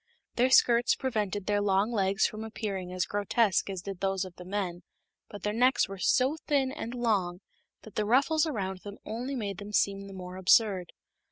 Their skirts prevented their long legs from appearing as grotesque as did those of the men, but their necks were so thin and long that the ruffles around them only made them seem the more absurd.